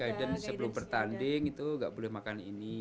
guidance sebelum pertanding itu gak boleh makan ini